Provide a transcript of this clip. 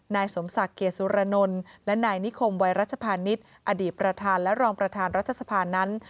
นายสมศักดิ์เกียรติสุรนลและนายนิคมวัยรัชภานิษฐ์อดีตประธานและรองประธานรัฐสภานั้น